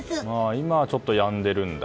今はちょっとやんでるんだ。